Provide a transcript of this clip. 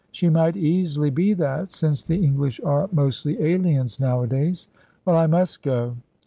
"She might easily be that, since the English are mostly aliens nowadays. Well, I must go.